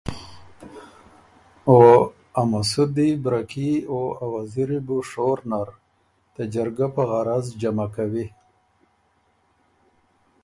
او ا مسُودی، بره کي او ا وزیری بُو شور نر ته جرګه په غرض جمع کوی